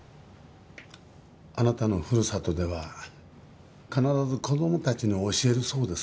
あなたのふるさとでは必ず子供たちに教えるそうですね。